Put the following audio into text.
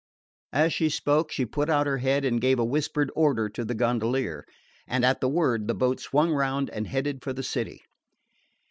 As she spoke she put out her head and gave a whispered order to the gondolier; and at the word the boat swung round and headed for the city.